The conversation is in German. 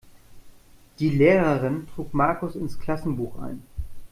Die Lehrerin trug Markus ins Klassenbuch ein.